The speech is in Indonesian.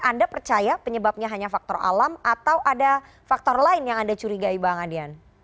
anda percaya penyebabnya hanya faktor alam atau ada faktor lain yang anda curigai bang adian